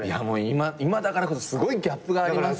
今だからこそすごいギャップがありますよね。